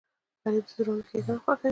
غریب د زړونو ښیګڼه خوښوي